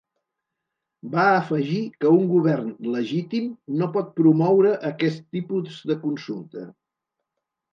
Va afegir que un govern ‘legítim’ no pot promoure aquest tipus de consulta.